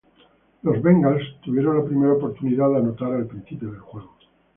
Los Bengals tuvieron la primera oportunidad de anotar al principio del juego.